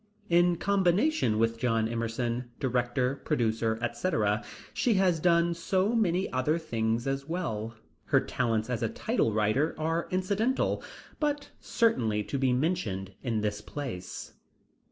In combination with John Emerson, director, producer, etc., she has done so many other things well, her talents as a title writer are incidental, but certainly to be mentioned in this place.